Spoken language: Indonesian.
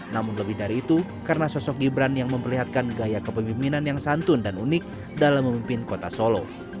namun lebih dari itu karena sosok gibran yang memperlihatkan gaya kepemimpinan yang santun dan unik dalam memimpin kota solo